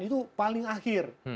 itu paling akhir